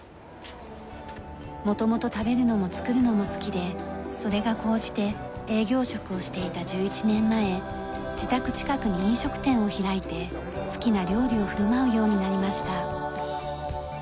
元々食べるのも作るのも好きでそれが高じて営業職をしていた１１年前自宅近くに飲食店を開いて好きな料理を振る舞うようになりました。